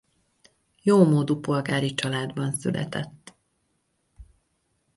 Jómódú polgári családban született.